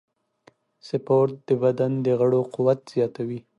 سپورت د بدن د غړو قوت زیاتوي.